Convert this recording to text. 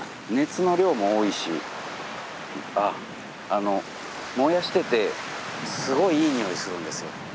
あっ燃やしててすごいいいにおいするんですよ。